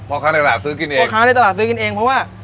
พ่อค้าในตลาดซื้อกินเองพ่อค้าในตลาดซื้อกินเองเพราะว่า